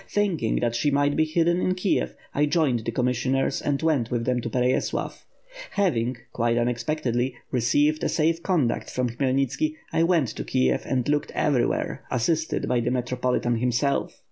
Thinking that she must be hidden in Kiev, I joined the commissioners and went with them to Perey^lav. Hav ing, quite unexpectedly, received a safe conduct from Khmy elnitski, I went to Kiev and looked everywhere, assisted by the metropolitan himself.